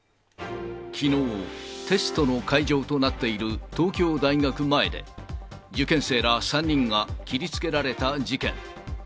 きのう、テストの会場となっている東京大学前で、受験生ら３人が切りつけられた事件。